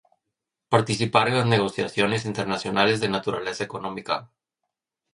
Participar en las negociaciones internacionales de naturaleza económica.